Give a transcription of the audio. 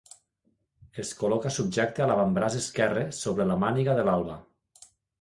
Es col·loca subjecte a l'avantbraç esquerre sobre la màniga de l'alba.